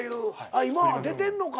今は出てんのか。